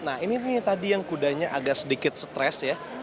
nah ini tadi yang kudanya agak sedikit stres ya